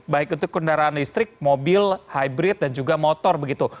baik untuk kendaraan listrik mobil hybrid dan juga motor begitu